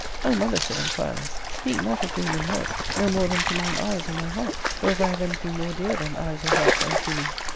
—_" Oh, mother," said Amphialus, " speak not of doing them hurt, no more than to mine eyes or my heart, or if I have anything more dear than eyes or heart unto me.